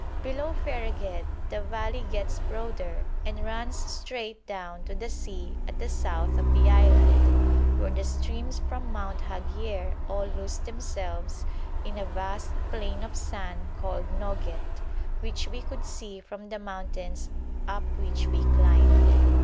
Below Fereghet the valley gets broader and runs straight down to the sea at the south of the island, where the streams from Mount Haghier all lose themselves in a vast plain of sand called Noget, which we could see from the mountains up which we climbed.